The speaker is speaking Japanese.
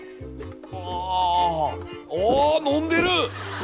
ああ飲んでる。